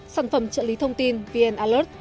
sản phẩm trợ lý thông tin vn alert